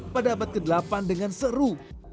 pada abad ke delapan dengan seru